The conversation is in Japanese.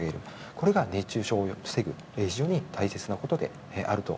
これが熱中症を防ぐうえで非常に大切なことです。